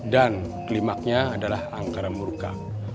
dan klimaknya adalah angkara murka